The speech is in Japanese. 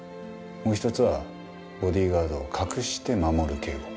もう１つはボディーガードを隠して守る警護。